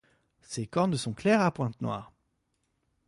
Ses cornes sont claires à pointe noire.